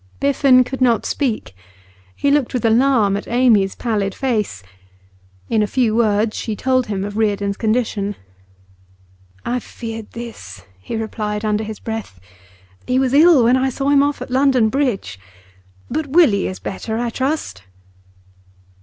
Biffen could not speak; he looked with alarm at Amy's pallid face. In a few words she told him of Reardon's condition. 'I feared this,' he replied under his breath. 'He was ill when I saw him off at London Bridge. But Willie is better, I trust?